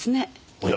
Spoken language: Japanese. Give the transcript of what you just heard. おや？